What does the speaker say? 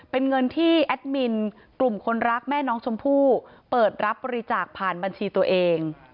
เป็นเงินที่แอดมินกลุ่มคนรักแม่น้องชมพู่เปิดรับบริจาคผ่านบัญชีตัวเอง